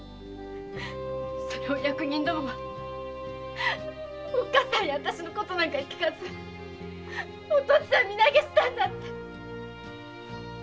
それを役人どもはおっかさんやあたしの言うことなんか聞かずお父っつぁんは身投げしたんだって。